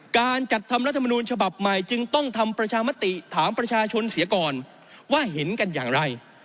การจัดทำรัฐมนูลฉบับใหม่จึงต้องทำประชามติถามประชาชนเสียก่อนว่าเห็นกันอย่างไร